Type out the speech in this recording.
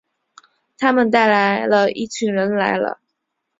他们带了一群人来了